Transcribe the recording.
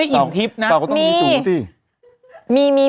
อย่างนี้อิ่มทิบนะ